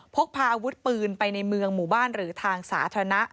พกพาอาวุธปืนไปในเมืองหมู่บ้านหรือทางสาธารณะ